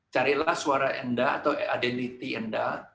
carilah suara anda atau adility anda